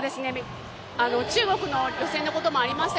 中国の予選のこともありました